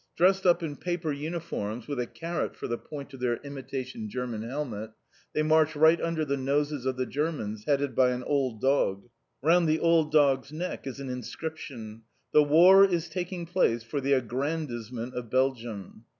Dressed up in paper uniforms, with a carrot for the point of their imitation German helmet they march right under the noses of the Germans, headed by an old dog. Round the old dog's neck is an inscription: "_The war is taking place for the aggrandisement of Belgium!